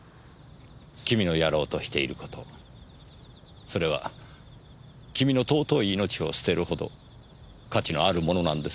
君のやろうとしている事それは君の尊い命を捨てるほど価値のあるものなんですか？